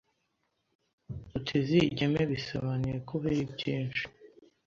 utizigeme bisobenuye ko heri byinshi